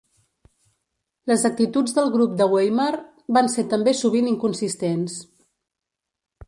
Les actituds del grup de Weimar van ser també sovint inconsistents.